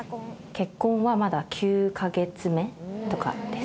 結婚はまだ９カ月目とかです